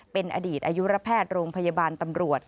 เป็นอดีตอายุระแพทย์โรงพยาบาลตำรวจ